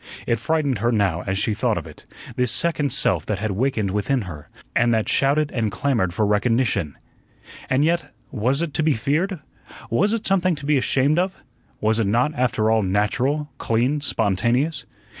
It frightened her now as she thought of it, this second self that had wakened within her, and that shouted and clamored for recognition. And yet, was it to be feared? Was it something to be ashamed of? Was it not, after all, natural, clean, spontaneous?